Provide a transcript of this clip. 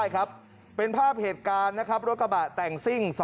เขาบอกว่ารถเขาเสีย